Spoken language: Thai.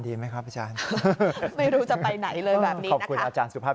ดีไหมครับอาจารย์ไม่รู้จะไปไหนเลยแบบนี้ขอบคุณอาจารย์สุภาพ